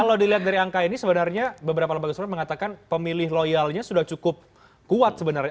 kalau dilihat dari angka ini sebenarnya beberapa lembaga survei mengatakan pemilih loyalnya sudah cukup kuat sebenarnya